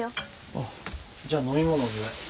ああじゃあ飲み物お願い。